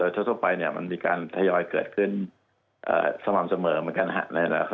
ทั่วไปมันมีการทยอยเกิดขึ้นสม่ำเสมอเหมือนกัน